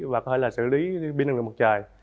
và có thể là xử lý pin năng lượng mặt trời